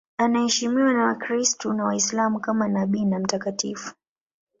Anaheshimiwa na Wakristo na Waislamu kama nabii na mtakatifu.